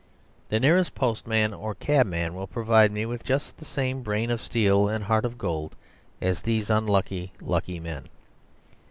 The nearest postman or cab man will provide me with just the same brain of steel and heart of gold as these unlucky lucky men.